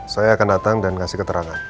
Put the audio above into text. saya akan datang dan kasih keterangan